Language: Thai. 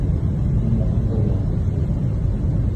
ทั้งเนื้อทั้งตัว